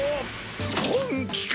本気か！？